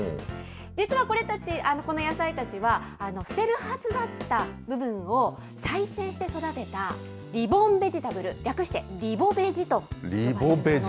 実はこの野菜たちは、捨てるはずだった部分を再生して育てた、リボーンベジタブル、略してリボベジと。